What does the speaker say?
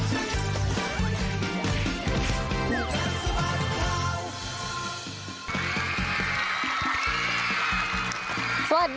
อีกนึง